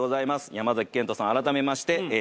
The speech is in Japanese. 山賢人さん改めまして。